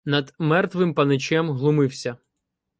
Над мертвим паничем глумився